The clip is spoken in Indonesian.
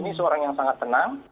ini seorang yang sangat tenang